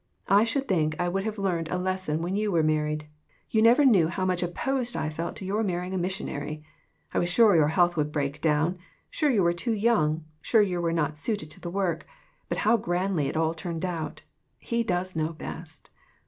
I should think I would have learned a lesson when you were married. You never knew how much opposed I felt to your marrying a mis sionary. I was sure your health would break down, sure you were too young, sure you were not suited to the work. But how grandly it all turned out ! He does know best.